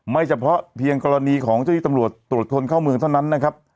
เฉพาะเพียงกรณีของเจ้าที่ตำรวจตรวจคนเข้าเมืองเท่านั้นนะครับ